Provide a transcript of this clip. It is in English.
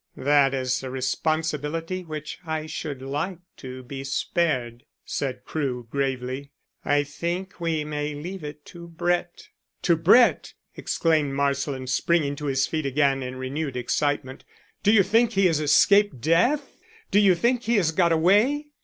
"That is a responsibility which I should like to be spared," said Crewe gravely. "I think we may leave it to Brett." "To Brett!" exclaimed Marsland, springing to his feet again in renewed excitement. "Do you think he has escaped death; do you think he has got away?"